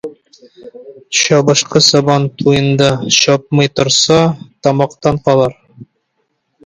Чабышкы сабан туенда чапмый торса, тамактан калыр.